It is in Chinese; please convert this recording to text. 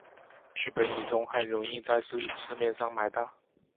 氯苯乙酮很容易在市面上买到。